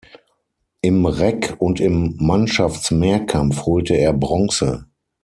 Im Reck und im Mannschaftsmehrkampf holte er Bronze.